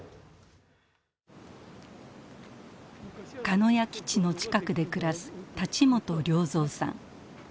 鹿屋基地の近くで暮らす立元良三さん。